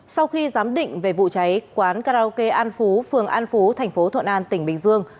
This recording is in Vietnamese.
sau khi giám định về vụ cháy quán karaoke an phú phường an phú thành phố thuận an tỉnh bình dương